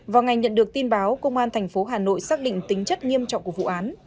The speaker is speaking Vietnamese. vào ngày nhận được tin báo công an thành phố hà nội xác định tính chất nghiêm trọng của vụ án